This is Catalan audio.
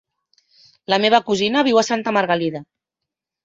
La meva cosina viu a Santa Margalida.